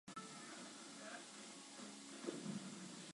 其实你有没有考虑过我的感受？